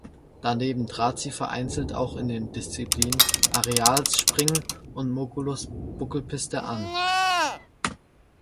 Daneben trat sie vereinzelt auch in den Disziplinen Aerials (Springen) und Moguls (Buckelpiste) an.